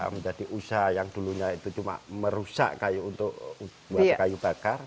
menjadi usaha yang dulunya itu cuma merusak kayu untuk kayu bakar